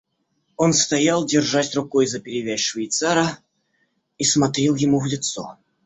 Он стоял, держась рукой за перевязь швейцара, и смотрел ему в лицо.